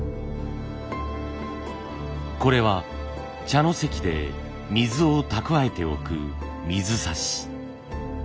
これは茶の席で水を蓄えておく水指。